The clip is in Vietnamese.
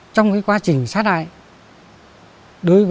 trong quá trình sát lại bà đào thị nhìn cũng bị sát lại bốn người ở xóm lộ pết